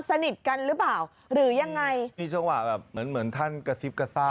สนิทกันหรือเปล่าหรือยังไงมีจังหวะแบบเหมือนเหมือนท่านกระซิบกระซ่า